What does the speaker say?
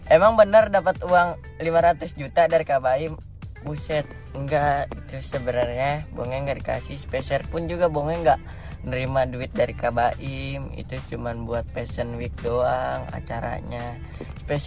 emang benar dapat uang lima ratus juta rupiah